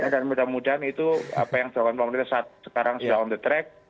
mudah mudahan itu apa yang dilakukan pemerintah saat sekarang sudah on the track